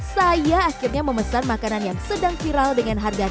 saya akhirnya memesan makanan yang sedang viral dengan harga rp delapan puluh ini